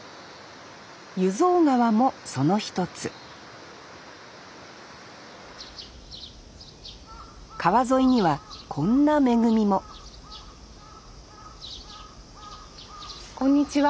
湯蔵川もその一つ川沿いにはこんな恵みもこんにちは。